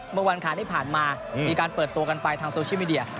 เมื่อวันคารที่ผ่านมามีการเปิดตัวกันไปทางโซเชียลมีเดีย